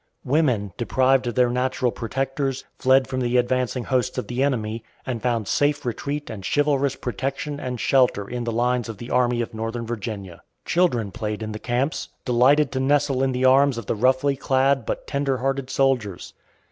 Women, deprived of their natural protectors, fled from the advancing hosts of the enemy, and found safe retreat and chivalrous protection and shelter in the lines of the Army of Northern Virginia. Children played in the camps, delighted to nestle in the arms of the roughly clad but tender hearted soldiers.